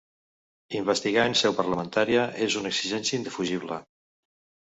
Investigar en seu parlamentària és una exigència indefugible.